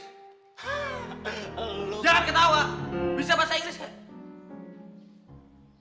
jangan ketawa bisa bahasa inggris gak